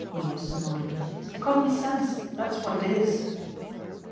Weems snorted. "Common sense, that's what it is."